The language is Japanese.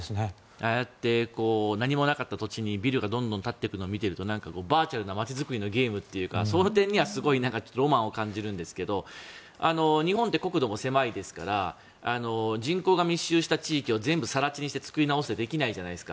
ああやって何もなかった土地にビルがどんどん立っていくのを見るとなんかバーチャルな街づくりのゲームというか、その点にはロマンを感じるんですが日本って国土も狭いですから人口が密集した地域を全部更地にして作り直すことってできないじゃないですか。